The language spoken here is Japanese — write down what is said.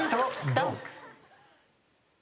ドン！